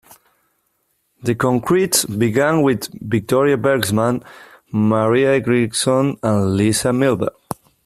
The Concretes began with Victoria Bergsman, Maria Eriksson, and Lisa Milberg.